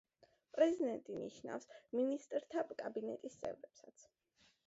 პრეზიდენტი ნიშნავს მინისტრთა კაბინეტის წევრებსაც.